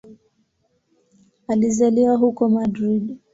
Alizaliwa huko Madrid.